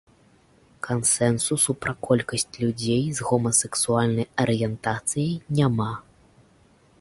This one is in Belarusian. Кансэнсусу пра колькасць людзей з гомасексуальнай арыентацыяй няма.